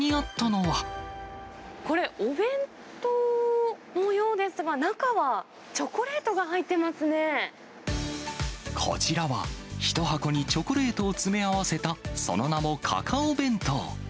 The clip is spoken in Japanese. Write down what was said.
これ、お弁当のようですが、こちらは、１箱にチョコレートを詰め合わせた、その名もカカオ弁当。